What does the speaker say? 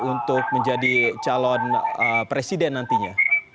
untuk menjadi calon presiden nantinya